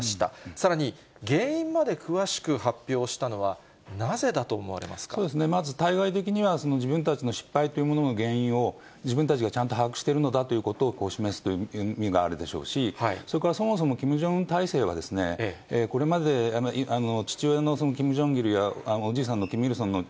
さらに、原因まで詳しく発表したのは、まず対外的には、自分たちの失敗というものの原因を、自分たちがちゃんと把握しているのだということを示すという意味があるでしょうし、それから、そもそもキム・ジョンウン体制は、これまで父親のキム・ジョンイルやおじいさんのキム・イルソンの